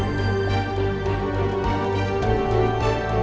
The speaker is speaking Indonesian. lo kenapa sih sampai segininya bantuin gue